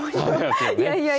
いやいやいや。